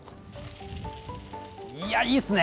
いや、いいっすね。